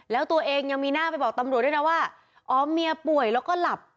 แล้วตัวเองยังมีหน้าไปบอกตำรวจด้วยนะว่าอ๋อเมียป่วยแล้วก็หลับ